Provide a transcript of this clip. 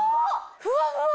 ふわふわ！